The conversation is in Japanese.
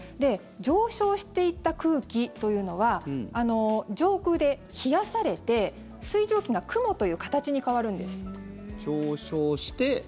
上昇していった空気というのは上空で冷やされて水蒸気が雲という形に変わるんです。